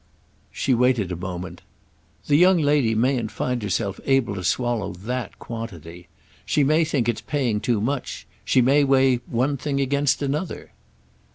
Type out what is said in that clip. She waited a moment. "The young lady mayn't find herself able to swallow that quantity. She may think it's paying too much; she may weigh one thing against another."